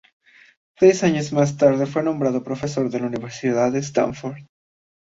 Seis años más tarde fue nombrado profesor en la Universidad de Stanford.